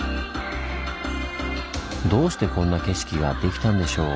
どうしてこんな景色ができたんでしょう？